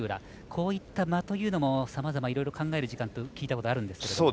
こういった間というのもさまざま、いろいろ考える時間と聞いたことがあるんですけど。